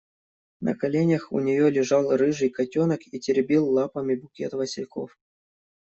На коленях у нее лежал рыжий котенок и теребил лапами букет васильков.